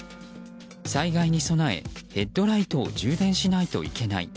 災害に備え、ヘッドライトを充電しないといけない。